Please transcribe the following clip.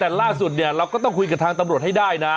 แต่ล่าสุดเนี่ยเราก็ต้องคุยกับทางตำรวจให้ได้นะ